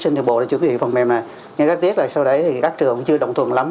nhưng rất tiếc là sau đấy các trường chưa đồng thuận lắm